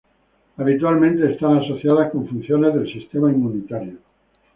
Habitualmente están asociadas con funciones del sistema inmunitario.